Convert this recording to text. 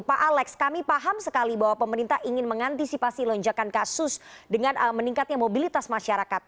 pak alex kami paham sekali bahwa pemerintah ingin mengantisipasi lonjakan kasus dengan meningkatnya mobilitas masyarakat